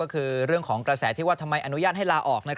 ก็คือเรื่องของกระแสที่ว่าทำไมอนุญาตให้ลาออก